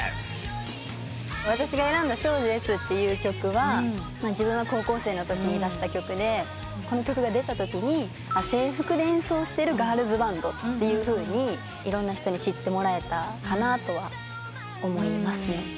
私が選んだ『少女Ｓ』っていう曲は自分が高校生のときに出した曲でこの曲が出たときに制服で演奏してるガールズバントというふうにいろんな人に知ってもらえたかなと思いますね。